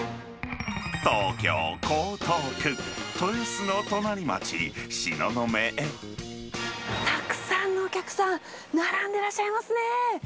東京・江東区、たくさんのお客さん、並んでらっしゃいますね。